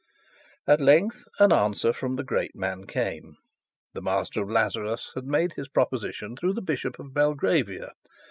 At length an answer from the great man came. The Master of Lazarus had made his proposition through the Bishop of Belgravia.